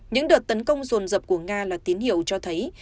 những đợt tấn công rồn rập của nga là tín hiệu cho thấy